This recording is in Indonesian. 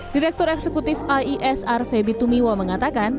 direktur eksekutif iesr febitumiwa mengatakan